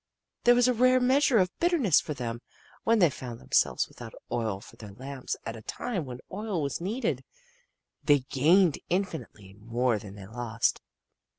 There was a rare measure of bitterness for them when they found themselves without oil for their lamps at a time when oil was needed. They gained infinitely more than they lost.